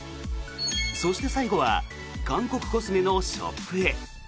そして最後は韓国コスメのショップへ。